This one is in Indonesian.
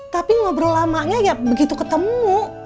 tapi ngobrol lamanya ya begitu ketemu